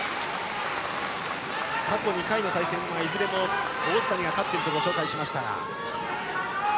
過去２回の対戦はいずれも王子谷が勝っているとご紹介しましたが。